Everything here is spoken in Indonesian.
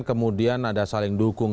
kemudian ada saling dukung